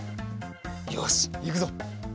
よしいくぞ。